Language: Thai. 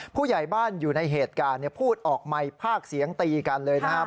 ผู้ใหญ่บ้านอยู่ในเหตุการณ์พูดออกใหม่ภาคเสียงตีกันเลยนะครับ